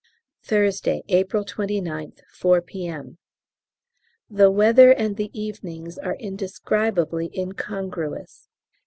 Thursday, April 29th, 4 P.M. The weather and the evenings are indescribably incongruous.